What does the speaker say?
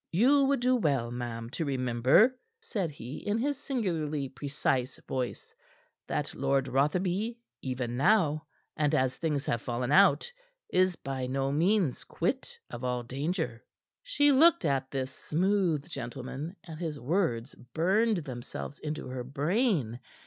"You would do well, ma'am, to remember," said he, in his singularly precise voice, "that Lord Rotherby even now and as things have fallen out is by no means quit of all danger." She looked at this smooth gentleman, and his words burned themselves into her brain.